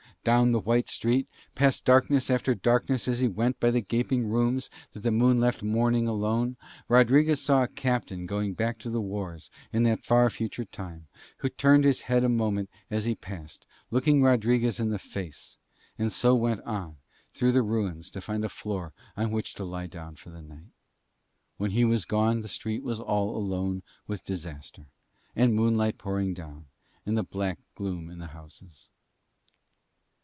Down the white street, past darkness after darkness as he went by the gaping rooms that the moon left mourning alone, Rodriguez saw a captain going back to the wars in that far future time, who turned his head a moment as he passed, looking Rodriguez in the face, and so went on through the ruins to find a floor on which to lie down for the night. When he was gone the street was all alone with disaster, and moonlight pouring down, and the black gloom in the houses.